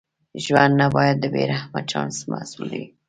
ژوند نه باید د بې رحمه چانس محصول وي.